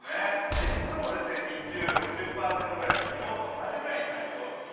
湿度も日中６０％くらいと昨日と同じぐらいになりそうです。